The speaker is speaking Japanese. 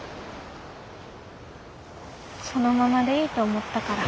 そのままでいいと思ったから。